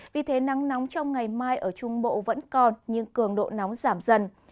vì thế nắng nóng trong ngày mai ở trung bộ vẫn còn nhưng cường độ nóng giảm dần